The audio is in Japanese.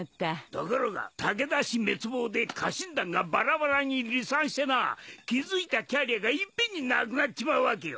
ところが武田滅亡で家臣団がバラバラに離散してな築いたキャリアがいっぺんになくなっちまうわけよ。